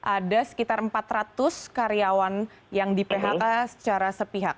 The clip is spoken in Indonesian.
ada sekitar empat ratus karyawan yang di phk secara sepihak